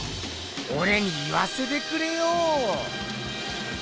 おれに言わせてくれよ。